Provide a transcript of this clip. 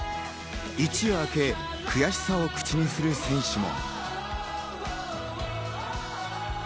一夜明け、悔しさを口にする選手も。